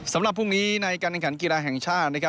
สำหรับพรุ่งนี้ในการแข่งขันกีฬาแห่งชาติ